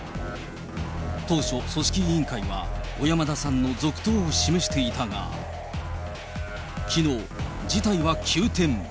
当初、組織委員会は小山田さんの続投を示していたが、きのう、事態は急転。